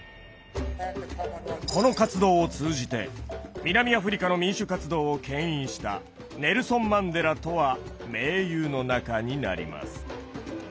この活動を通じて南アフリカの民主活動を牽引したネルソン・マンデラとは盟友の仲になります。